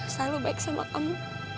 selalu baik sama kamu